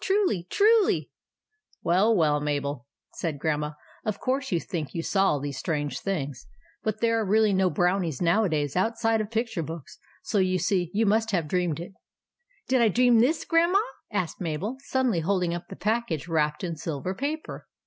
Truly, truly !"" Well, well, Mabel," said Grandma ;" of course you think you saw all these strange things ; but there are really no Brownies nowadays outside of picture books ; so, you see, you must have dreamed it." " Did I dream this, Grandma ?" asked Mabel, suddenly holding up the package wrapped in silver paper.